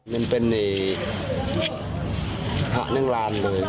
มันเป็นหักนั่งร้านเลย